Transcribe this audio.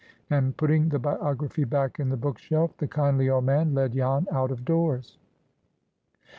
And, putting the biography back in the book shelf, the kindly old man led Jan out of doors.